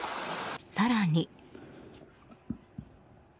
更に。